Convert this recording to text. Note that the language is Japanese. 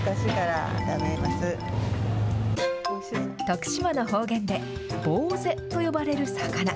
徳島の方言で、ボウゼと呼ばれる魚。